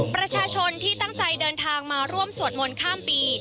ประชาชนที่ตั้งใจเดินทางมาร่วมสวดมนต์ข้ามปี